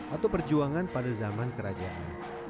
atau perjuangan pada zaman kerajaan